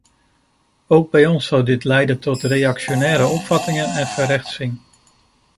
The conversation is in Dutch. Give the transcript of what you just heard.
Ook bij ons zou dit leiden tot reactionaire opvattingen en verrechtsing.